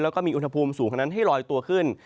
แล้วก็มีอุณหภูมิสูงเท่านั้นให้ลอยตัวขึ้น